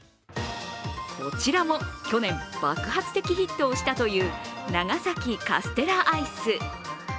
こちらも去年、爆発的ヒットをしたという長崎カステラアイス。